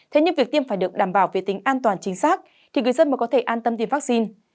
thế nhưng việc tiêm phải được đảm bảo về tính an toàn chính xác thì người dân mới có thể an tâm tiêm vaccine